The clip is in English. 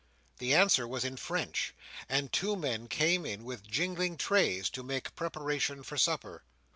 The answer was in French, and two men came in with jingling trays, to make preparation for supper.